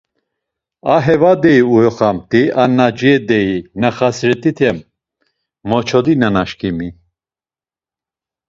Ar heva deyi uyoxamt̆i, ar naciye deyi na xasret̆ite maçodi, nanaşǩimi.